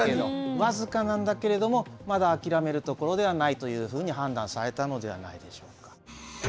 僅かなんだけれどもまだ諦めるところではないというふうに判断されたのではないでしょうか。